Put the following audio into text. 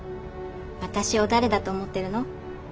私を誰だと思ってるの？